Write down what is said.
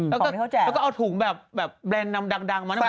ของไม่เข้าใจหรอแล้วก็เอาถุงแบบแบบแบรนด์นำดังมา